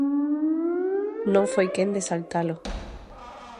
Non foi quen de saltalo.